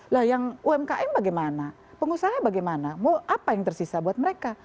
lah yang umkm bagaimana pengusaha bagaimana mau apa yang tersisa buat mereka